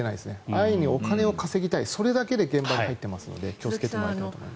安易にお金を稼ぎたいそれだけで現場に入っているので気をつけてもらいたいと思います。